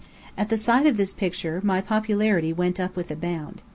At sight of this picture, my popularity went up with a bound.